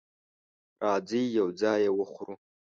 راځئ یو ځای یی وخورو